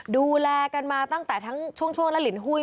ดูแลกันมาตั้งแต่ทั้งช่วงและลินหุ้ย